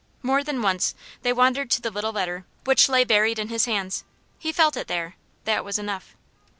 More than once they wandered to the little letter, which lay buried in his hands. He felt it there that was enough.